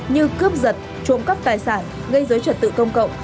như cướp giật trộm cắp tài sản gây dối trật tự công cộng